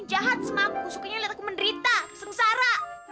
jahat sama aku sukanya lihat aku menderita sengsara